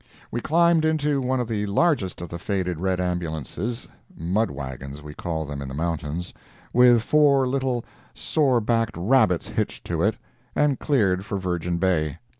We climbed into one of the largest of the faded red ambulances (mud wagons we call them in the mountains), with four little sore backed rabbits hitched to it, and cleared for Virgin Bay.